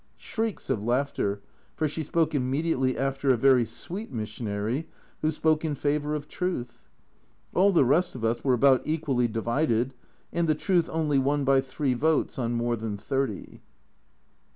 Shrieks of laughter, for she spoke immediately after a very sweet missionary who spoke in favour of truth. All the rest of us were about equally divided, and the truth only won by three votes on more than thirty.